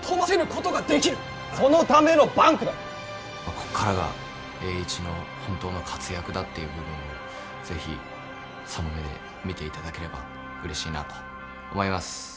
ここからが栄一の本当の活躍だという部分を是非その目で見ていただければうれしいなと思います。